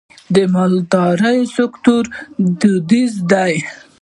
د مالدارۍ سکتور دودیز دی